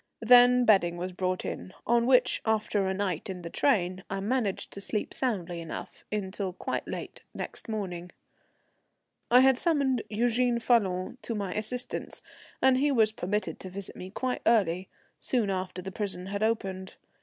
Then bedding was brought in, on which, after a night in the train, I managed to sleep soundly enough until quite late next morning. I had summoned Eugène Falloon to my assistance, and he was permitted to visit me quite early, soon after the prison had opened.